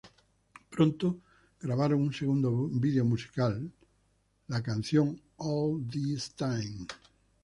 Pronto grabaron un segundo vídeo musical, la canción "All This Time".